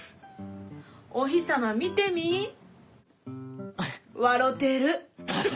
お日様見てみ。笑てる。